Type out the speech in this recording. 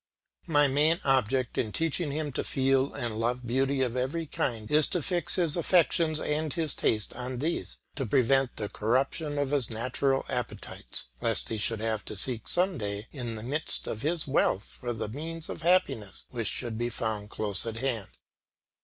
My main object in teaching him to feel and love beauty of every kind is to fix his affections and his taste on these, to prevent the corruption of his natural appetites, lest he should have to seek some day in the midst of his wealth for the means of happiness which should be found close at hand.